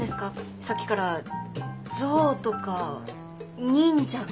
さっきから象とか忍者とか。